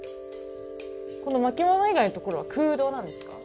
この巻物以外のところは空洞なんですか？